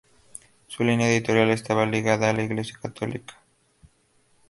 Su línea editorial estaba ligada a la Iglesia católica.